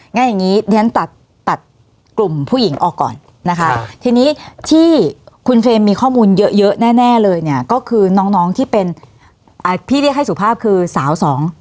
งั้นอย่างงี้ตัดกลุ่มผู้หญิงออกก่อนนะคะทีนี้ที่คุณเฟย์มีข้อมูลเยอะแน่เลยเนี่ยก็คือน้องที่เป็นพี่เรียกให้สุภาพคือสาวสอง